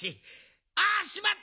あっしまった！